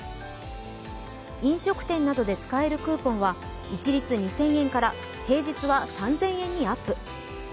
飲食店などで使えるクーポンは一律２０００円から平日は３０００円にアップ。